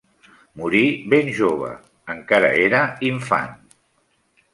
Morí ben jove, encara era infant.